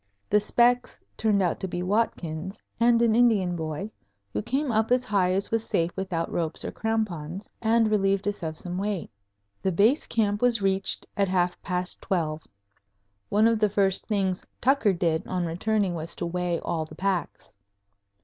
The "specks" turned out to be Watkins and an Indian boy, who came up as high as was safe without ropes or crampons, and relieved us of some weight. The Base Camp was reached at half past twelve. One of the first things Tucker did on returning was to weigh all the packs.